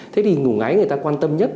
thế thì ngủ ngáy người ta quan tâm nhất